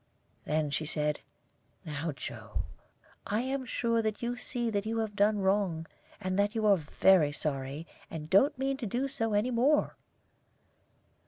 Then she said, "Joe, I am sure that you see that you have done wrong, and that you are very sorry, and don't mean to do so any more."